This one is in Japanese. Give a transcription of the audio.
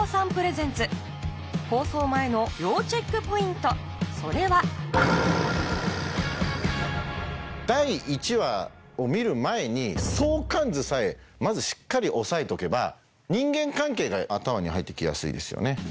ただ今それは第１話を見る前に相関図さえまずしっかり押さえとけば人間関係が頭に入って来やすいですよね。